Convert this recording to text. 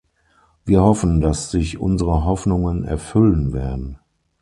Wir hoffen, dass sich unsere Hoffnungen erfüllen werden.